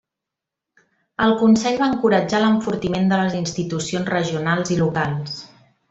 El Consell va encoratjar l'enfortiment de les institucions regionals i locals.